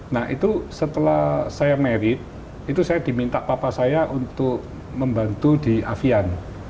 nah itu setelah saya merit itu saya diminta papa saya untuk membantu di afian